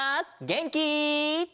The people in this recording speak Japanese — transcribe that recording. げんき！